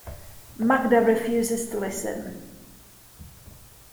Magda refuses to listen.